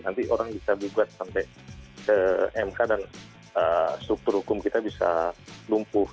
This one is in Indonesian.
nanti orang bisa gugat sampai ke mk dan struktur hukum kita bisa lumpuh